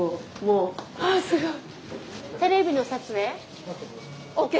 ああすごい！ＯＫ？